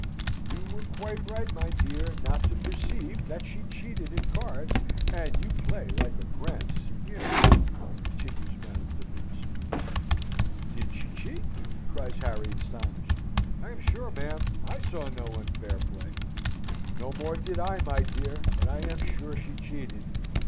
"You were quite right, my dear, not to perceive that she cheated at cards, and you play like a grand seigneur," continues Madame de Bernstein. "Did she cheat?" cries Harry, astonished. "I am sure, ma'am, I saw no unfair play." "No more did I, my dear, but I am sure she cheated.